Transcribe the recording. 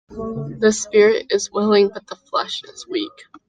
The spirit is willing but the flesh is weak.